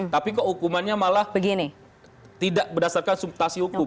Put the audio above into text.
tapi kok hukumannya malah tidak berdasarkan substansi hukum